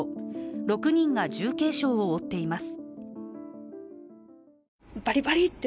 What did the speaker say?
６人が重軽傷を負っています。